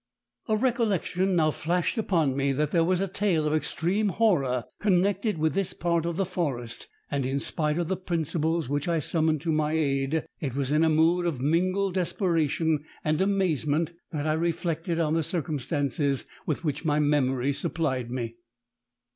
A recollection now flashed upon me that there was a tale of extreme horror connected with this part of the forest, and in spite of the principles which I summoned to my aid, it was in a mood of mingled desperation and amazement that I reflected on the circumstances with which my memory supplied me.